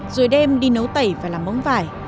rồi đem đi nấu tẩy và làm bóng vải